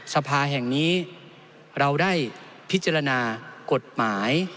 สภาแห่งนี้เราได้พิจารณากฎหมาย